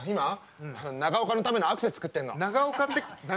長岡のためのアクセサリー作ってるの。